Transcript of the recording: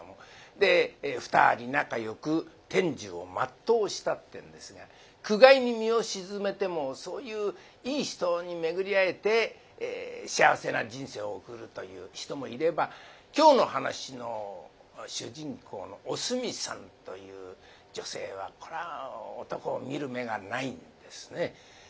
で２人仲よく天寿を全うしたってんですが苦界に身を沈めてもそういういい人に巡り会えて幸せな人生を送るという人もいれば今日の噺の主人公のおすみさんという女性はこれは男を見る目がないんですね。